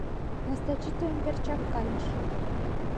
Настачи тыйын верчак кайыш...